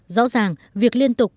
rõ ràng việc liên tục